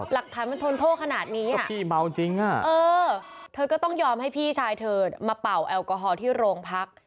หลักทางมันทนโทษขนาดนี้อ่ะเขาต้องยอมให้พี่ชายเธอมาเป่าแอลกอฮอล์ที่โรงพัก